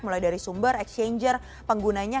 mulai dari sumber exchanger penggunanya